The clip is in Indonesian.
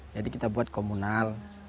jadi kita buat komunal